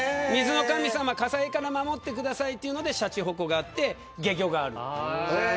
火災から守ってくださいというのでしゃちほこがあって懸魚がある。